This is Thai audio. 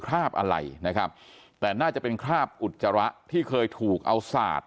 คราบอะไรนะครับแต่น่าจะเป็นคราบอุจจาระที่เคยถูกเอาสาด